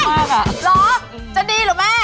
เหรอจะดีเหรอแม่